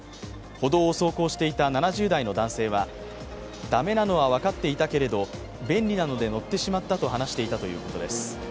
歩道を走行していた７０代の男性は駄目なのは分かっていたけれど、便利なので乗ってしまったと話していたということです。